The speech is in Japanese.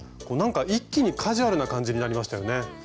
こうなんか一気にカジュアルな感じになりましたよね。